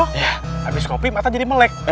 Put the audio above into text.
habis kopi mata jadi melek